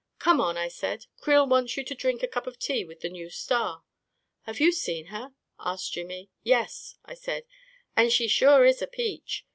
44 Come on," I said; " Creel wants you to drink a cup of tea with the new star." 44 Have you seen her? " asked Jimmy. 44 Yes," I said; " and she sure is a peach.